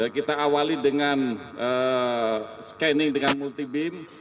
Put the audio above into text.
kita awali dengan scanning dengan multi beam